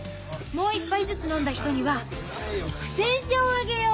もう一杯ずつ飲んだ人には不戦勝をあげよう！